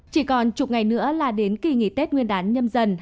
chỉ còn chục ngày nữa là đến kỳ nghỉ tết nguyên đán nhâm dần hai nghìn hai mươi hai